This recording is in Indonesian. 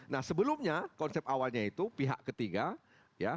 nah sebelumnya konsep awalnya itu pihak ketiga ya